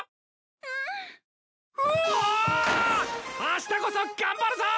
あしたこそ頑張るぞ！